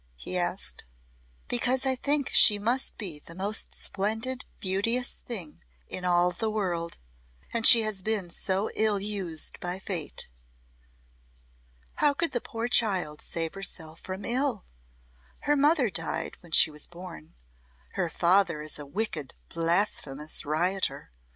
he asked. "Because I think she must be the most splendid beauteous thing in all the world and she has been so ill used by Fate. How could the poor child save herself from ill? Her mother died when she was born; her father is a wicked blasphemous rioter.